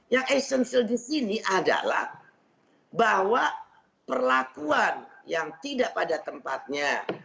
yang esensial di sini adalah bahwa perlakuan yang tidak pada tempatnya